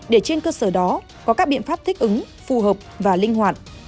để trên cơ sở đó có các biện pháp thích ứng phù hợp và linh hoạt